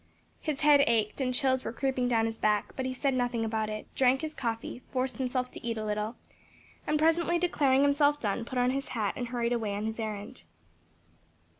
His head ached and chills were creeping down his back, but he said nothing about it, drank his coffee, forced himself to eat a little, and presently declaring himself done, put on his hat and hurried away on his errand.